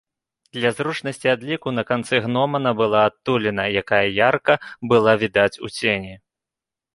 Для зручнасці адліку на канцы гномана была адтуліна, якая ярка была відаць у цені.